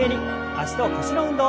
脚と腰の運動。